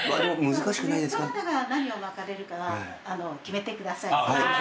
どなたが何を巻かれるか決めてください。